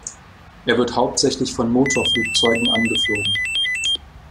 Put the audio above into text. Er wird hauptsächlich von Motorflugzeugen angeflogen.